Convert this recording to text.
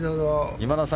今田さん